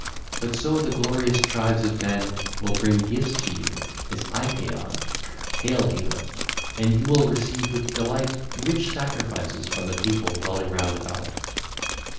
But so the glorious tribes of men will bring gifts to you as Iepaeon ('Hail Healer'), and you will receive with delight rich sacrifices from the people dwelling round about.